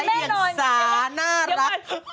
ใส่เย็นสาน่ารัก